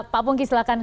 pak pungki silakan